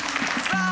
さあ